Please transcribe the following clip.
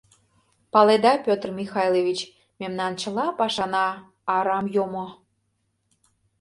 — Паледа, Петр Михайлович, мемнан чыла пашана арам йомо!